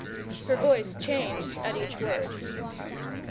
Her voice changed at each word.